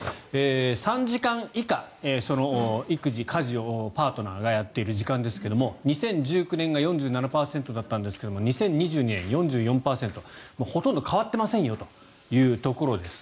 ３時間以下育児・家事をパートナーがやっている時間ですが２０１９年が４７％だったんですが２０２２年、４４％ほとんど変わっていませんよというところです。